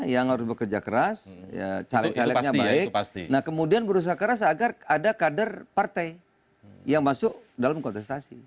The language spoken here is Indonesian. yang masuk dalam kontestasi